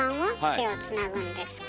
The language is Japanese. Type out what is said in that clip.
手をつなぐんですか？